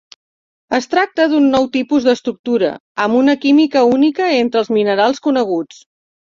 Es tracta d'un nou tipus d'estructura, amb una química única entre els minerals coneguts.